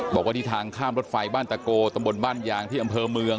บอกว่าที่ทางข้ามรถไฟบ้านตะโกตำบลบ้านยางที่อำเภอเมือง